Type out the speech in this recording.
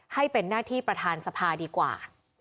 ให้เป็นหน้าที่ประธานสภาดีกว่า